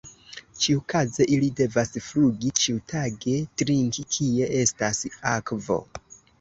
Ĉiukaze ili devas flugi ĉiutage trinki kie estas akvo.